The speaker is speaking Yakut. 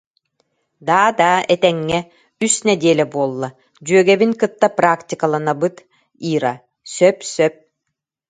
Даа, даа, этэҥҥэ, үс нэдиэлэ буолла, дьүөгэбин кытта практикаланабыт, Ира, сөп-сөп